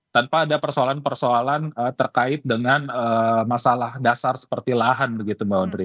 tanpa ada persoalan persoalan terkait dengan masalah dasar seperti lahan begitu mbak undri